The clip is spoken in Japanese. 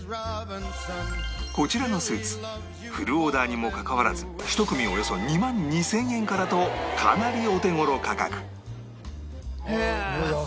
こちらのスーツフルオーダーにもかかわらず１組およそ２万２０００円からとかなりお手頃価格